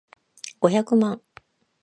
五百万